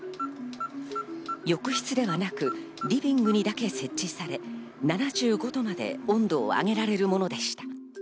浴室ではなく、リビングにだけ設置され、７５度まで温度を上げられるものでした。